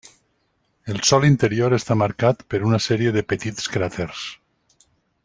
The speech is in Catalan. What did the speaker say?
El sòl interior està marcat per una sèrie de petits cràters.